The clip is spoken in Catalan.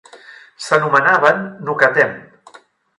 S'anomenaven "nukatem".